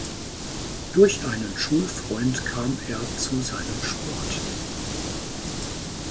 Durch einen Schulfreund kam er zu seinem Sport.